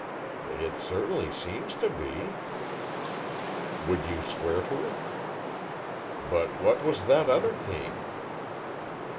"It certainly seems to be." "Would you swear to it?" "But what was that other cane?"